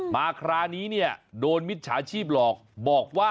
มาคราวนี้เนี่ยโดนมิจฉาชีพหลอกบอกว่า